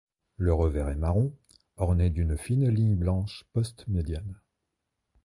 Le revers est marron orné d'une fine ligne blanche postmédiane.